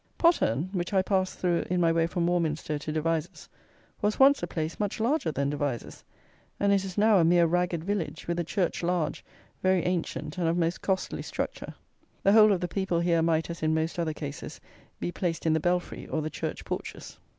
Pottern, which I passed through in my way from Warminster to Devizes, was once a place much larger than Devizes; and it is now a mere ragged village, with a church large, very ancient, and of most costly structure. The whole of the people here might, as in most other cases, be placed in the belfry, or the church porches.